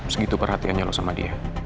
segitu perhatiannya loh sama dia